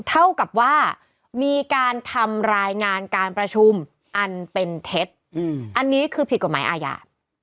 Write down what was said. เท่ากับว่ามีการทำรายงานการประชุมอันเป็นเท็จอันนี้คือผิดกฎหมายอาญา